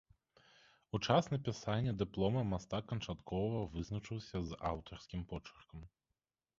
У час напісання дыплома мастак канчаткова вызначыўся з аўтарскім почыркам.